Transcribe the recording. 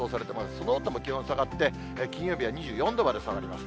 そのあとも気温下がって、金曜日は２４度まで下がります。